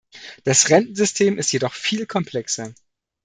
Das Rentensystem ist jedoch viel komplexer.